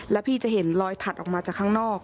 แล้วพี่จะเห็นรอยถัดออกมาจากข้างนอก